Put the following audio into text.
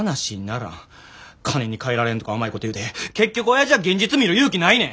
金にかえられんとか甘いこと言うて結局おやじは現実見る勇気ないねん。